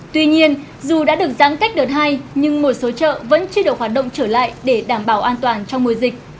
tuy nhiên dù đã được giãn cách đợt hai nhưng một số chợ vẫn chưa được hoạt động trở lại để đảm bảo an toàn trong mùa dịch